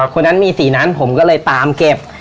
คนนั้นมีสีนั้นผมก็เลยตามเก็บ